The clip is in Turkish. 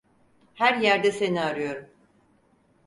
Her yerde seni arıyorum.